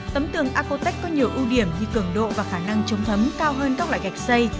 tấm tường acotech có nhiều ưu điểm như cường độ và khả năng chống thấm cao hơn các loại gạch xây